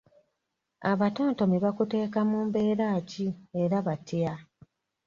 Abatontomi bakuteeka mu mbeera ki era batya?